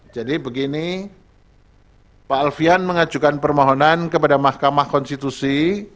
jadi begini pak alvian mengajukan permohonan kepada mahkamah konstitusi